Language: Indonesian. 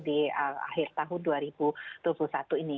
di akhir tahun dua ribu dua puluh satu ini